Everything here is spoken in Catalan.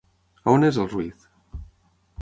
On és el Ruiz?